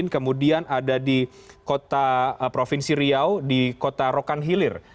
kemudian ada di kota provinsi riau di kota rokan hilir